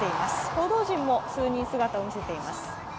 報道陣も姿を見せています。